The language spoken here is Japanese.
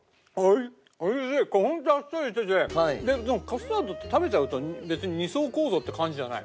カスタード食べちゃうと別に二層構造って感じじゃない。